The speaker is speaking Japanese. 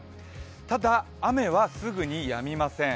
ただ、雨はすぐにやみません。